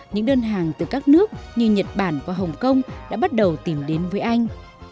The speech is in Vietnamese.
những đơn hàng từ các nước như nhật bản và hồng kông đã bắt đầu tìm đến với anh